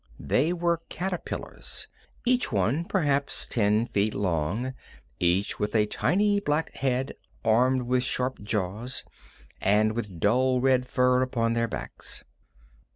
They were caterpillars, each one perhaps ten feet long, each with a tiny black head armed with sharp jaws, and with dull red fur upon their backs.